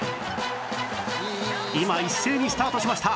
今一斉にスタートしました